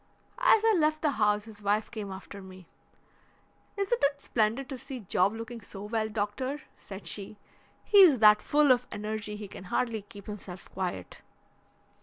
As I left the house his wife came after me. 'Isn't it splendid to see Job looking so well, doctor,' said she; 'he's that full of energy he can hardly keep himself quiet.'